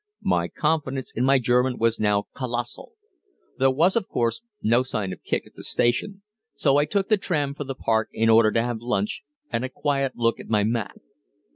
My confidence in my German was now "kolossal"! There was, of course, no sign of Kicq at the station, so I took the tram for the park in order to have lunch and a quiet look at my map.